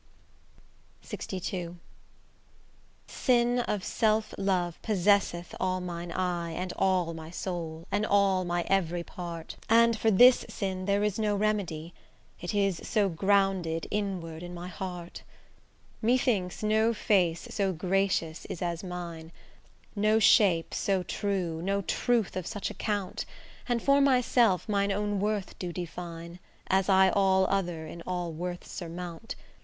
LXII Sin of self love possesseth all mine eye And all my soul, and all my every part; And for this sin there is no remedy, It is so grounded inward in my heart. Methinks no face so gracious is as mine, No shape so true, no truth of such account; And for myself mine own worth do define, As I all other in all worths surmount.